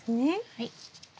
はい。